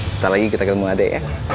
nanti lagi kita ketemu adik ya